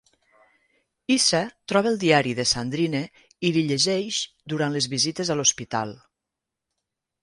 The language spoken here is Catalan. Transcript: Isa troba el diari de Sandrine i li'l llegeix durant les visites a l'hospital.